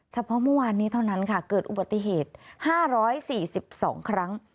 เมื่อวานนี้เท่านั้นค่ะเกิดอุบัติเหตุ๕๔๒ครั้ง